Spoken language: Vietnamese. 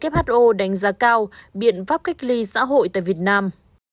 who đánh giá cao biện pháp cách ly xã hội tại việt nam